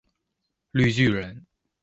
綠巨人